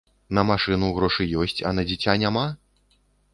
На машыну грошы ёсць, а на дзіця няма?